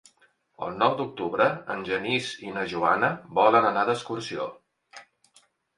El nou d'octubre en Genís i na Joana volen anar d'excursió.